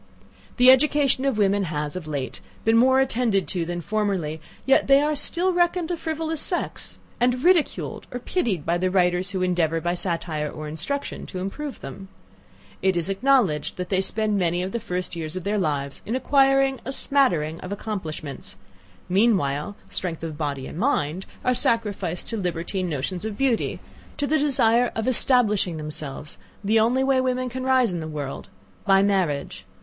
The education of women has, of late, been more attended to than formerly; yet they are still reckoned a frivolous sex, and ridiculed or pitied by the writers who endeavour by satire or instruction to improve them. It is acknowledged that they spend many of the first years of their lives in acquiring a smattering of accomplishments: meanwhile, strength of body and mind are sacrificed to libertine notions of beauty, to the desire of establishing themselves, the only way women can rise in the world by marriage.